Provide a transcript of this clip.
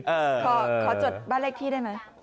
ขอขอจดบ้านเลขที่ได้ไหม